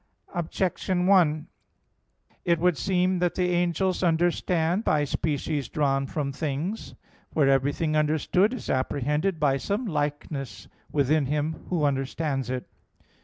Objection 1: It would seem that the angels understand by species drawn from things. For everything understood is apprehended by some likeness within him who understands it.